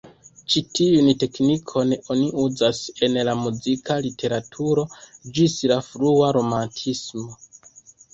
Ĉi tiun teknikon oni uzas en la muzika literaturo ĝis la frua romantismo.